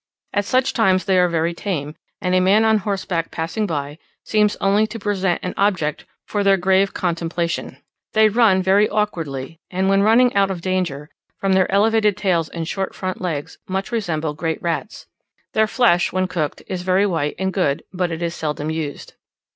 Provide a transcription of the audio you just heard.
At such times they are very tame, and a man on horseback passing by seems only to present an object for their grave contemplation. They run very awkwardly, and when running out of danger, from their elevated tails and short front legs much resemble great rats. Their flesh, when cooked, is very white and good, but it is seldom used.